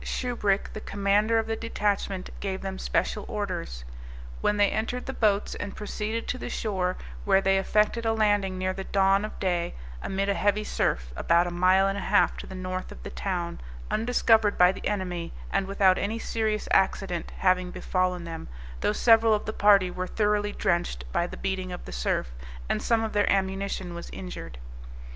Shubrick, the commander of the detachment, gave them special orders; when they entered the boats and proceeded to the shore, where they effected a landing near the dawn of day, amid a heavy surf, about a mile and a half to the north of the town, undiscovered by the enemy, and without any serious accident having befallen them, though several of the party were thoroughly drenched by the beating of the surf, and some of their ammunition was injured.